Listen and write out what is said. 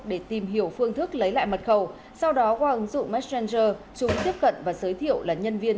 để tìm hiểu phương thức lấy lại mật khẩu sau đó qua ứng dụng messenger chúng tiếp cận và giới thiệu là nhân viên